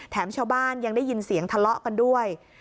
ชาวบ้านยังได้ยินเสียงทะเลาะกันด้วย